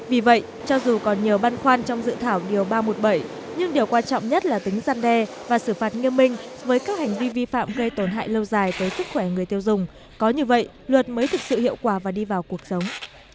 vì vậy cho dù còn nhiều băn khoăn trong dự thảo điều ba trăm một mươi bảy nhưng điều quan trọng nhất là tính gian đe và xử phạt nghiêm minh với các hành vi vi phạm gây tổn hại lâu dài tới sức khỏe người tiêu dùng có như vậy luật mới thực sự hiệu quả và đi vào cuộc sống